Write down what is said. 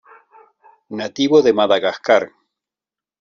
Nativo de Madagascar.